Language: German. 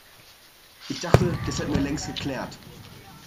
Ich dachte, das hätten wir längst geklärt.